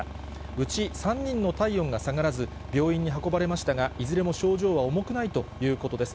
うち３人の体温が下がらず、病院に運ばれましたが、いずれも症状は重くないということです。